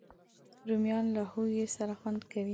رومیان له هوږې سره خوند کوي